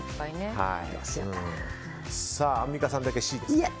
アンミカさんだけＣですね。